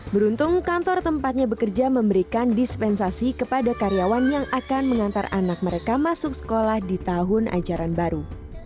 beruntung kantor tempatnya bekerja memberikan dispensasi kepada karyawan yang akan mengantar anak mereka masuk sekolah di tahun ajaran baru